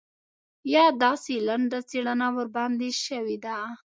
یا داسې لنډه څېړنه ورباندې شوې ده.